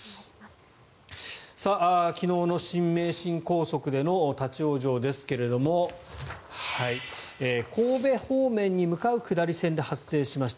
昨日の新名神高速での立ち往生ですが神戸方面に向かう下り線で発生しました。